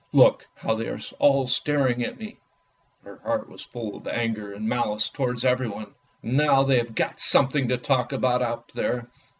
Look, how they are all staring at me! " Her heart was full of anger and malice towards everybody. "Now they have got something to talk about up there!